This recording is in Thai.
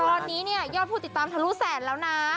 ตอนนี้ยอบผู้ติดตามถลุแสนแล้วนะ